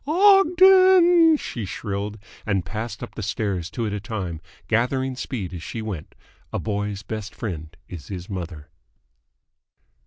"Ogden!" she shrilled; and passed up the stairs two at a time, gathering speed as she went. A boy's best friend is his mother.